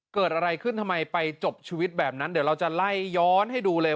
เกิดอะไรขึ้นทำไมไปจบชีวิตแบบนั้นเดี๋ยวเราจะไล่ย้อนให้ดูเลย